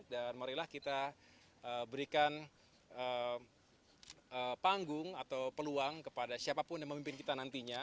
dan marilah kita berikan panggung atau peluang kepada siapapun yang memimpin kita nantinya